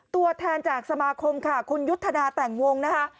ตัวแทนจากสมาคมค่ะคุณยุทธนาแต่งวงนะคะ